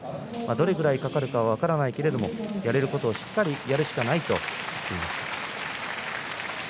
どれくらいかかるか分からないけどもやれることをしっかりやるしかないということを話しています。